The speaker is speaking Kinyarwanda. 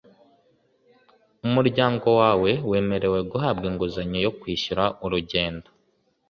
umuryango wawe wemerewe guhabwa inguzanyo yo kwishyura urugendo